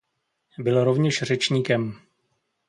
Byl rovněž řečníkem.